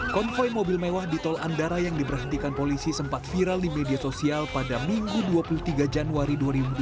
konvoy mobil mewah di tol andara yang diberhentikan polisi sempat viral di media sosial pada minggu dua puluh tiga januari dua ribu dua puluh